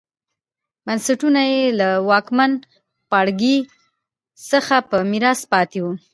بنسټونه یې له واکمن پاړکي څخه په میراث پاتې وو